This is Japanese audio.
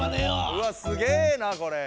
うわすげなこれ。